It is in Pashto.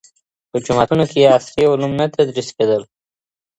په جوماتونو کي عصري علوم نه تدریس کيدل.